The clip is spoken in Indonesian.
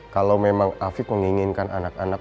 kalau memang afiq menginginkan anak anak